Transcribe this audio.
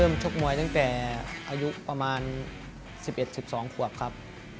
เริ่มชกมวยต่างจากอายุประมาณ๑๑หรือ๑๒ครับ